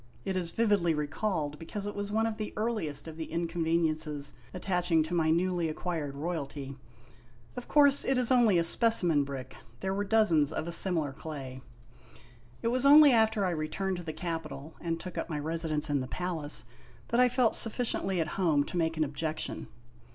It is vividly recalled because it was one of the earliest of the inconveniences attaching to my newly acquired royalty. Of course it is only a specimen brick there were dozens of a similar clay. It was only after I returned to the capital and took up my residence in the palace, that I felt sufficiently at home to make an objection.